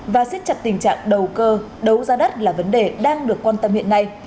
và xiết chặt tình trạng đầu cơ đấu giá đất là vấn đề đang được quan tâm hiện nay